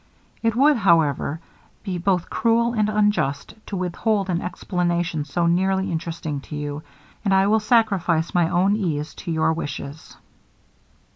It would, however, be both cruel and unjust to withhold an explanation so nearly interesting to you, and I will sacrifice my own ease to your wishes.